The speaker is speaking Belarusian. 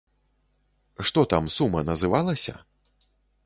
Што там сума называлася?